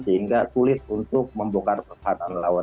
sehingga sulit untuk membuka pesanan lawan